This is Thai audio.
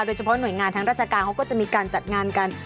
หน่วยงานทางราชการเขาก็จะมีการจัดงานกัน